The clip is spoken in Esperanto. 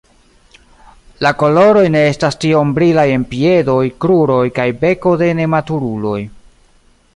La koloroj ne estas tiom brilaj en piedoj, kruroj kaj beko de nematuruloj.